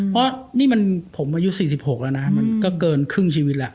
เพราะนี่มันผมอายุ๔๖แล้วนะฮะมันก็เกินครึ่งชีวิตแล้ว